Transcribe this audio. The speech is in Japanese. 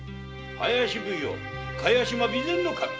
林奉行・茅島備前守。